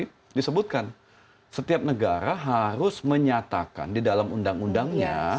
tapi disebutkan setiap negara harus menyatakan di dalam undang undangnya